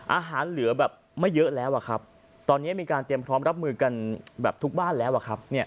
อาหารเหลือแบบไม่เยอะแล้วอะครับตอนนี้มีการเตรียมพร้อมรับมือกันแบบทุกบ้านแล้วอะครับ